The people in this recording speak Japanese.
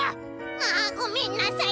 「ああごめんなさい」。